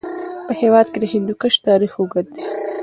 په هېواد کې د هندوکش تاریخ اوږد دی.